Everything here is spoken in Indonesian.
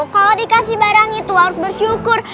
kalau dikasih barang itu harus bersyukur